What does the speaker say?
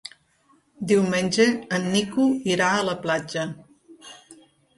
Diumenge en Nico irà a la platja.